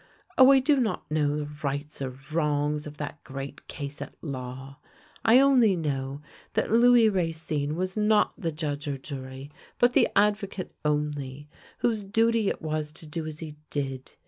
Oh, I do not know the rights or wrongs of that great case at law; I only know that Louis Racine was not the judge or jury, but the advocate only, whose duty it was to do as he did.